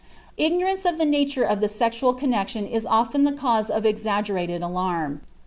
Ignorance of the nature of the sexual connection is often the cause of exaggerated alarm.